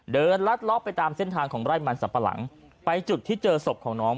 ลัดเลาะไปตามเส้นทางของไร่มันสัมปะหลังไปจุดที่เจอศพของน้อง